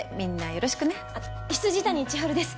あっ未谷千晴です